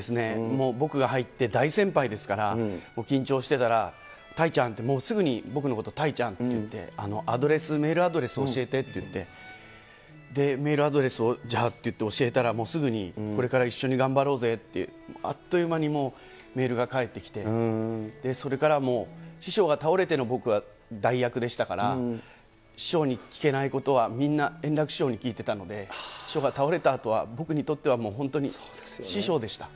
もう僕が入って大先輩ですから、緊張してたら、たいちゃんって、もうすぐに僕のことたいちゃんって言ってくれて、アドレス、メールアドレス教えてって言って、メールアドレスをじゃあって言って教えたら、すぐにこれから一緒に頑張ろうぜって、あっという間にもう、メールが返ってきて、それからもう師匠が倒れての僕は代役でしたから、師匠に聞けないことはみんな円楽師匠に聞いてたので、師匠が倒れたあとは、僕にとっては本当に師匠でした。